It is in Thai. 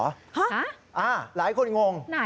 ฮะหลายคนงง